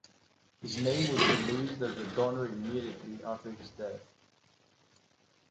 His name was released as the donor immediately after his death.